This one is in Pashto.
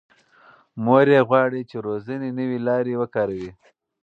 مور یې غواړي چې روزنې نوې لارې وکاروي.